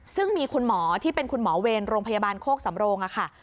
ซึ่งมีคุณหมอที่เป็นคุณหมอเวรโรงพยาบาลโคกสำโรงค่ะ